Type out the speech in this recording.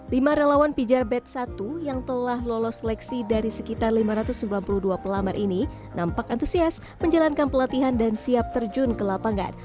lima relawan pijar bed satu yang telah lolos seleksi dari sekitar lima ratus sembilan puluh dua pelamar ini nampak antusias menjalankan pelatihan dan siap terjun ke lapangan